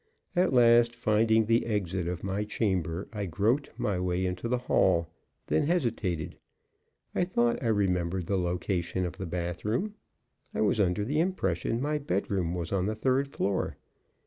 At last, finding the exit of my chamber, I groped my way into the hall, then hesitated. I thought I remembered the location of the bath room; I was under the impression my bedroom was on the third floor.